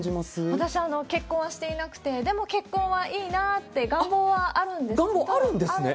私は結婚はしていなくて、でも、結婚はいいなって願望願望あるんですね？